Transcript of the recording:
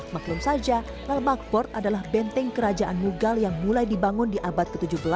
maklum saja lalbag port adalah benteng kerajaan mugal yang mulai dibangun di abad ke tujuh belas